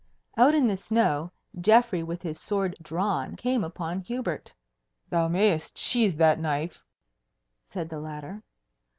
Out in the snow, Geoffrey with his sword drawn came upon Hubert. "Thou mayest sheathe that knife," said the latter.